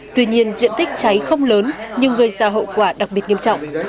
tuy nhiên diện tích cháy không lớn nhưng gây ra hậu quả đặc biệt nghiêm trọng